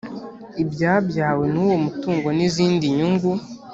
ibyabyawe n uwo mutungo n izindi nyungu